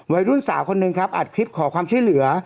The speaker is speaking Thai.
วัยรุ่นสาวคนหนึ่งครับอัดคลิปขอความช่วยเหลือ